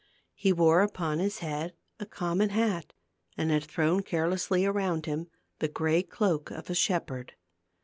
He wore upon his head a common hat and had thrown carelessly around him the gray cloak of a shep herd.